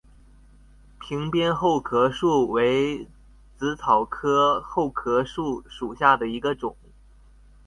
屏边厚壳树为紫草科厚壳树属下的一个种。